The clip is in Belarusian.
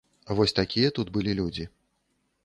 Вось такія тут былі людзі.